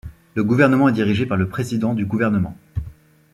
Le Gouvernement est dirigé par le président du gouvernement.